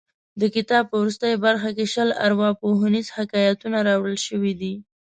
د کتاب په وروستۍ برخه کې شل ارواپوهنیز حکایتونه راوړل شوي دي.